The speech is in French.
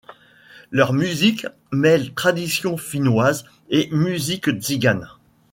Leur musique mêle tradition finnoise et musique tsigane.